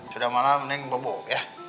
sudah malam neng babuk ya